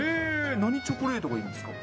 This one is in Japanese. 何チョコレートがいいんですか？